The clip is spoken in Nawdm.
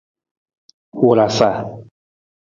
Wurasa.